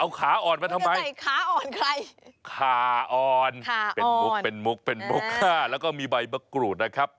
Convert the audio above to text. เอาขาอ่อนมาทำไมขาอ่อนใครขาอ่อนเป็นมุกเป็นมุกเป็นมุกค่าแล้วก็มีใบมะกรูดนะครับ